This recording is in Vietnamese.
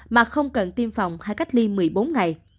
mà không cần tiêm phòng hay cách ly một mươi bốn ngày